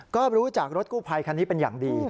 ก็รู้จากรถกู้ภัยคันนี้เป็นอย่างดี